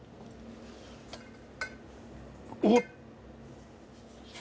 おっ！